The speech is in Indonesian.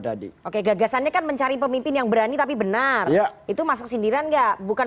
tadi oke gagasannya kan mencari pemimpin yang berani tapi benar itu masuk sindiran enggak bukan